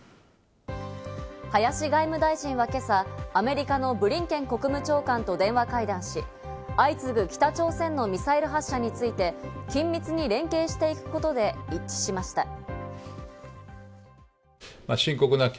林外務大臣は今朝、アメリカのブリンケン国務長官と電話会談し、相次ぐ北朝鮮のミサイル発射について緊密に連携していくことで一致しました。